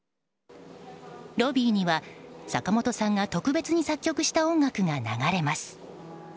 ロビーには坂本さんが特別に作曲した音楽が流れます。